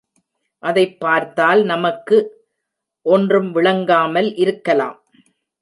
அதைப் பார்த்தால் நமக்கு ஒன்றும் விளங்காமல் இருக்கலாம்.